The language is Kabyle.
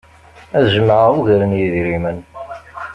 Ad jemɛeɣ ugar n yedrimen.